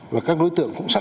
và các đối tượng cũng sẵn sàng